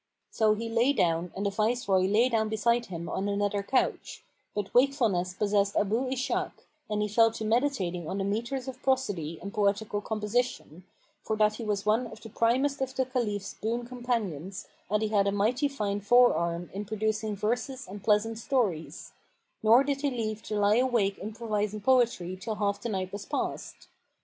So he lay down and the viceroy lay down beside him on another couch; but wakefulness possessed Abu Ishak and he fell to meditating on the metres of prosody and poetical composition, for that he was one of the primest of the Caliph's boon companions and he had a mighty fine fore arm[FN#478] in producing verses and pleasant stories; nor did he leave to lie awake improvising poetry till half the night was past.